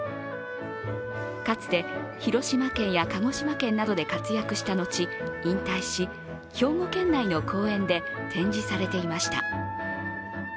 かつて広島県や鹿児島県などで活躍した後、引退し、兵庫県内の公園で展示されていました。